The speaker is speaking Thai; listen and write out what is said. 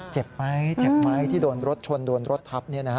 เจ็บไหมที่โดนรถชนโดนรถทับ